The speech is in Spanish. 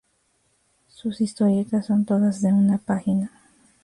Sus historietas son todas de una página.